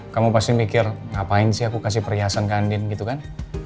kamu pasti mikir ngapain sih aku kasih perhiasan kandin gitu kan